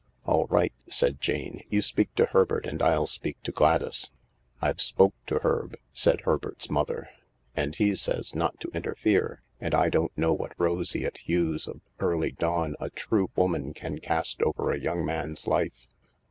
"All right," said Jane, "you speak to Herbert and I'll speak to Gladys." "I've spoke to Herb," said Herbert's mother, "and he says not to interfere, and I don't know what roseate hues of early dawn a true woman can cast over a young man's life.